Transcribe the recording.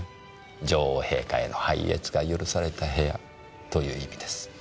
女王陛下への拝謁が許された部屋という意味です。